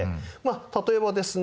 例えばですね